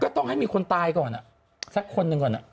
ต้องให้มีคนตายก่อนสักคนหนึ่งก่อน